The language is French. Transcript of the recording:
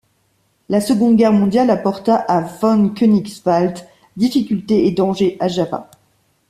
La Seconde Guerre mondiale apporta à von Koenigswald difficultés et dangers à Java.